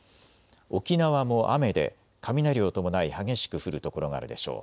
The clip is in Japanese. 沖縄も雨で雷を伴い激しく降る所があるでしょう。